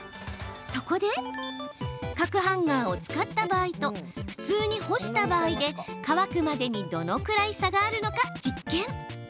そこで角ハンガーを使った場合と普通に干した場合で乾くまでにどのくらい差があるのか実験。